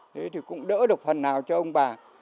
thế thì cũng đỡ được phần nào cho ông bà